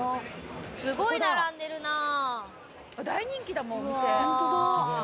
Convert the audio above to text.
すごい並んでるなぁ。